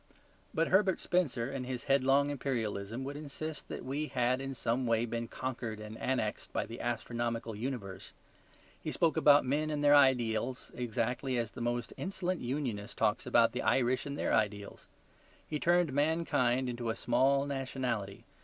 But Herbert Spencer, in his headlong imperialism, would insist that we had in some way been conquered and annexed by the astronomical universe. He spoke about men and their ideals exactly as the most insolent Unionist talks about the Irish and their ideals. He turned mankind into a small nationality.